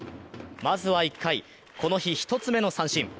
まずは１回、この日１つ目の三振。